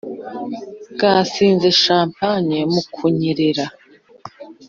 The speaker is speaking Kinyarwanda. bwasinze champagne mu kunyerera